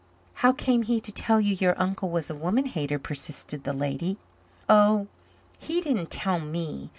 "How came he to tell you your uncle was a woman hater?" persisted the lady. "Oh, he didn't tell me.